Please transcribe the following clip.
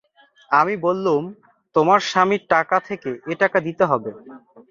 আমি বললুম, তোমার স্বামীর টাকা থেকে এ টাকা দিতে হবে।